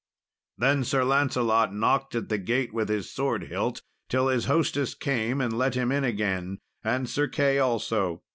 Then Sir Lancelot knocked at the gate with his sword hilt till his hostess came and let him in again, and Sir Key also.